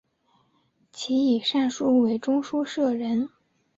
其以善书为中书舍人。